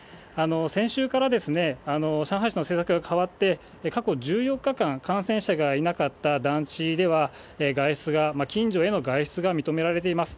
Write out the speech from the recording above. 先週から上海市の生活が変わって、過去１４日間感染者がいなかった団地では、外出が、近所への外出が認められています。